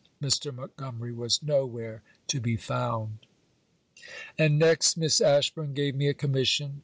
Mr. Montgomery was no where to be found. And, next, Miss Ashburn gave me a commission.